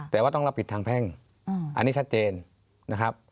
แต่ว่าต้องรับผิดทางแพ่งอันนี้ชัดเจนนะครับ